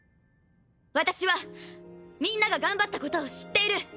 私はみんなが頑張ったことを知っている。